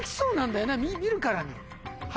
見るからに。